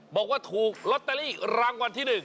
บอกว่าถูกลอตเตอรี่รางวัลที่๑